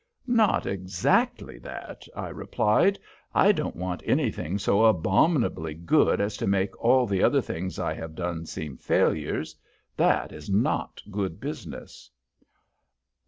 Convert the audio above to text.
"Not exactly that," I replied, "I don't want anything so abominably good as to make all the other things I have done seem failures. That is not good business."